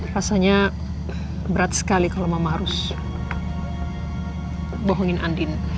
rasanya berat sekali kalau mama harus bohongin andin